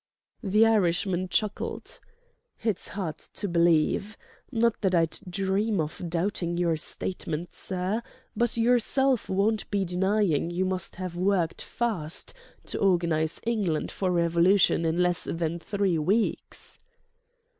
The Irishman chuckled. "It's hard to believe. Not that I'd dream of doubting your statement, sir—but yourself won't be denying you must have worked fast to organize England for revolution in less than three weeks."